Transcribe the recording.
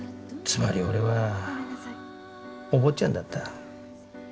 つまり俺はお坊ちゃんだった。